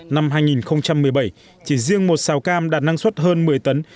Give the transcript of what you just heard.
năm hai nghìn một mươi bảy chỉ riêng một xào cam đạt năng suất hơn một mươi tấn